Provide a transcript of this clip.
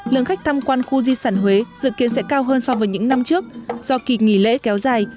lượng khách tham quan khu di sản huế dự kiến sẽ cao hơn so với những năm trước do kỳ nghỉ lễ kéo dài